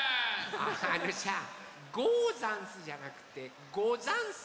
あのさ「ござんす」じゃなくて「ござんす！」